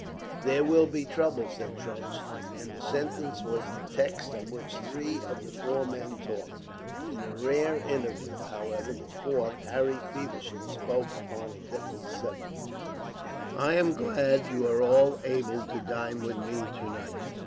"There will be trouble," said Trench, and the sentence was the text on which three of the four men talked. In a rare interval, however, the fourth, Harry Feversham, spoke upon a different subject. "I am very glad you were all able to dine with me to night.